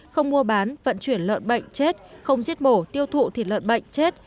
không mua bán vận chuyển lợn bệnh chết không giết bổ tiêu thụ thịt lợn bệnh chết